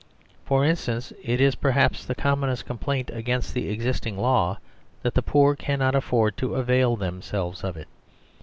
For instance, it is perhaps the com monest complaint against the existing law that the poor cannot afford to avail themselves of it.